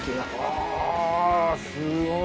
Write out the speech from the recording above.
ああすごい！